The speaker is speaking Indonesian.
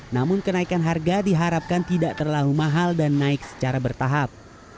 namun kenaikan harga diharapkan tidak terlalu mahal dan naik secara bertahap